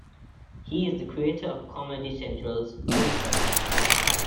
He is the creator of Comedy Central's "Threesome".